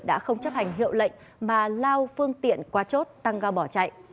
đã không chấp hành hiệu lệnh mà lao phương tiện qua chốt tăng giao bỏ chạy